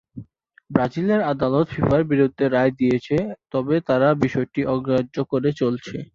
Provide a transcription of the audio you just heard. ব্রাজিলের আদালত ফিফার বিরুদ্ধে রায় দিয়েছে তবে তারা বিষয়টি অগ্রাহ্য করে চলেছে।